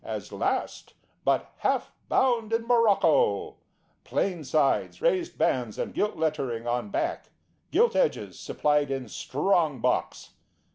As last, but half bound in morocco, plain sides, raised bands, and gilt lettering on back, gilt edges; supplied in strong box.